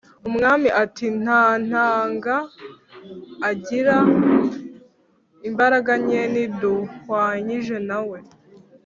umwami ati :”ntantanga, ngira imbaraga nke ntiduhwanyije na we